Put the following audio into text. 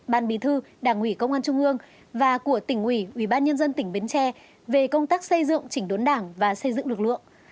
ban bí thư đảng ủy công an trung ương và của tỉnh ủy ubnd tỉnh bến tre về công tác xây dựng chỉnh đốn đảng và xây dựng lực lượng